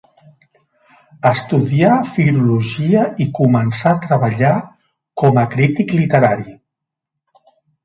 Estudià filologia i començà a treballar com a crític literari.